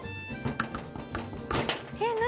えっ何？